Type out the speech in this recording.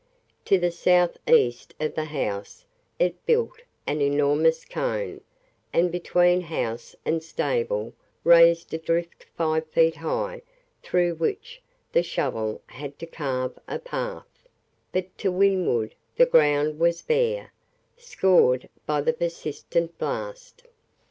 To the south east of the house it built an enormous cone, and between house and stable raised a drift five feet high through which the shovel had to carve a path; but to windward the ground was bare, scoured by the persistent blast.